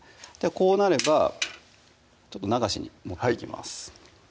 こうなれば流しに持っていきます